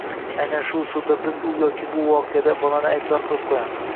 Aynan shu usulda biz u yoki bu voqeada bolani aybdor qilib qo‘yamiz.